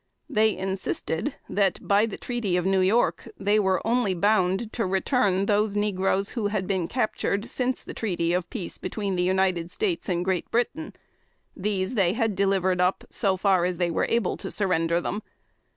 They insisted that, by the treaty of New York, they were only bound to return those negroes who had been captured since the treaty of peace between the United States and Great Britain; these they had delivered up, so far as they were able to surrender them.